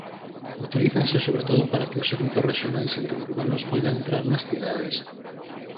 Utilízanse sobre todo para que os servizos rexionais e interurbanos poidan entrar nas cidades.